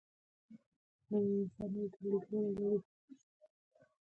یوديوسکر د نړۍ تر ټولو مشهوره بیټسمېنه وه.